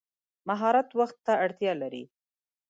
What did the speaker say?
مهارت وخت ته اړتیا لري.